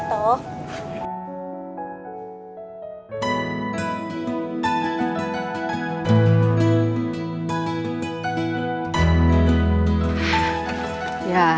kita selalu bersama sama